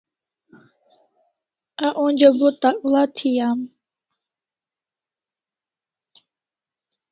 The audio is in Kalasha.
A onja bo takla thi am